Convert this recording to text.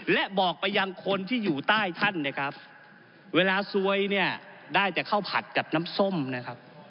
และบอกไปยังคนที่อยู่ใต้ท่านเนี่ยครับเวลาซวยเนี่ยได้แต่ข้าวผัดกับน้ำส้มนะครับ